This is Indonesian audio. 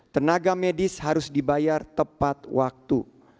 tenaga medis harus dibayar tepat waktu